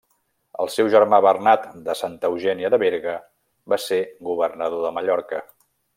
El seu germà Bernat de Santa Eugènia de Berga va ser governador de Mallorca.